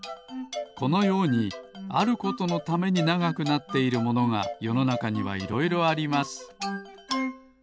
このようにあることのためにながくなっているものがよのなかにはいろいろあります。